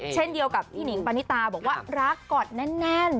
เช่นเดียวกับพี่หนิงปานิตาบอกว่ารักกอดแน่น